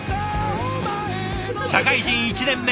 社会人１年目。